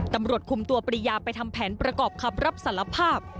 ตำรวจคุมตัวปริยาไปทำแผนประกอบคำรับสารภาพ